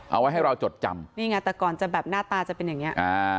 เอาไว้ให้เราจดจำนี่ไงแต่ก่อนจะแบบหน้าตาจะเป็นอย่างเงี้